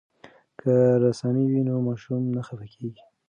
که رسامي وي نو ماشوم نه خفه کیږي.